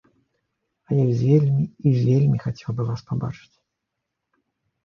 А я вельмі і вельмі хацеў бы вас пабачыць.